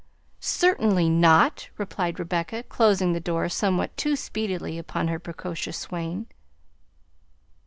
"Certainly NOT," replied Rebecca, closing the door somewhat too speedily upon her precocious swain.